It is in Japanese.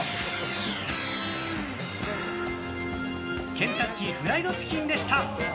ケンタッキーフライドチキンでした。